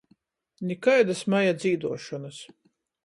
Nikaidys maja dzīduošonys.